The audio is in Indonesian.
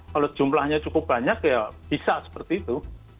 kalau jumlahnya cukup banyak ya bisa seperti itu